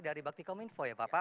dari baktikominfo ya bapak